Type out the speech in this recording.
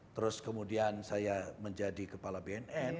terus kemudian saya menjadi kepala bnn